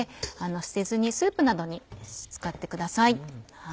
捨てずにスープなどに使ってください。